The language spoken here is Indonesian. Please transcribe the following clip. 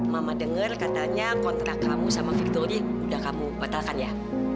mama denger katanya kontrak kamu sama victoria udah kamu batalkan ya